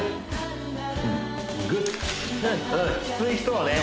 きつい人はね